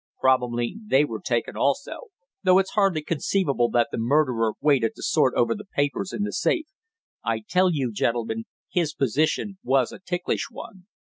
"Probably they were taken also, though it's hardly conceivable that the murderer waited to sort over the papers in the safe. I tell you, gentlemen, his position was a ticklish one."